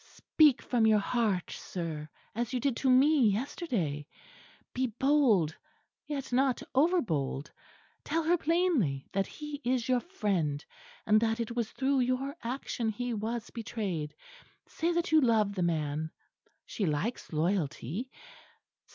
"Speak from your heart, sir, as you did to me yesterday. Be bold, yet not overbold. Tell her plainly that he is your friend; and that it was through your action he was betrayed. Say that you love the man. She likes loyalty.